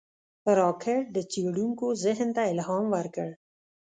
راکټ د څېړونکو ذهن ته الهام ورکړ